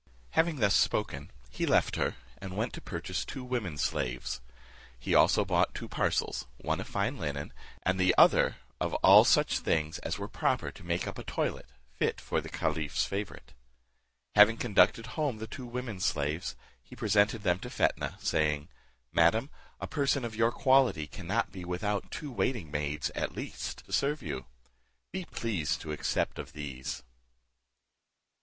Having thus spoken, he left her, and went to purchase two women slaves. He also bought two parcels, one of fine linen, and the other of all such things as were proper to make up a toilet fit for the caliph's favourite. Having conducted home the two women slaves, he presented them to Fetnah, saying, "Madam, a person of your quality cannot be without two waiting maids, at least, to serve you; be pleased to accept of these."